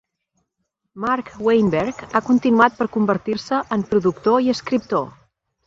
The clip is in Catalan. Mark Weinberg ha continuat per convertir-se en productor i escriptor.